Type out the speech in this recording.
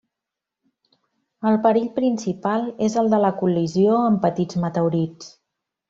El perill principal és el de la col·lisió amb petits meteorits.